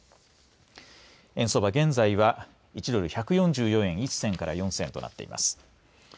円相場、現在は１ドル１４４円１銭から４銭となっています。